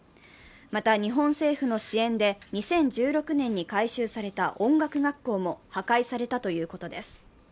また、日本政府の支援で２０１６年に改修された音楽学校も破壊されたということです。